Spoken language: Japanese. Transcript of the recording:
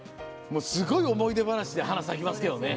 すごい思い出話で花が咲きますけどね。